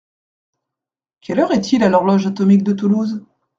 Quelle heure est-il à l’horloge atomique de Toulouse ?